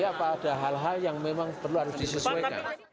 apakah ada hal hal yang memang perlu disesuaikan